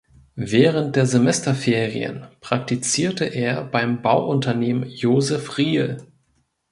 Während der Semesterferien praktizierte er beim Bauunternehmen Josef Riehl.